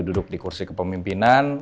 duduk di kursi kepemimpinan